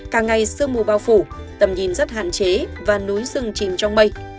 cả ngày sương mù bao phủ tầm nhìn rất hạn chế và núi rừng chìm trong mây